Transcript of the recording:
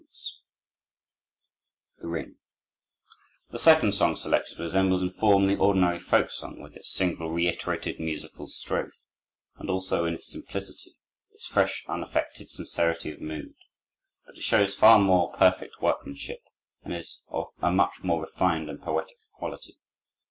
The Ring The second song selected resembles in form the ordinary folk song, with its single, reiterated musical strophe, and also in its simplicity, its fresh, unaffected sincerity of mood. But it shows far more perfect workmanship, and is of a much more refined and poetic quality.